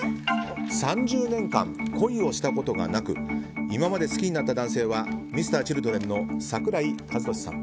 ３０年間、恋をしたことがなく今まで好きになった男性はＭｒ．Ｃｈｉｌｄｒｅｎの桜井和寿さん